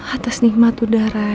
atas nikmat udara